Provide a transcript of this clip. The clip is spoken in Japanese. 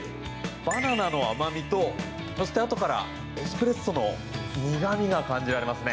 バナナの甘味とそして、あとからエスプレッソの苦味が感じられますね。